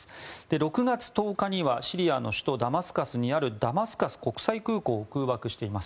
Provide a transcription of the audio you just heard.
６月１０日にはシリアの首都ダマスカスにあるダマスカス国際空港を空爆しています。